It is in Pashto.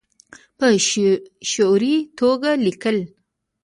په شعوري توګه لیکي